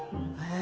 え？